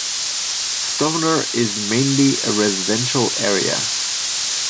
Stovner is mainly a residential area.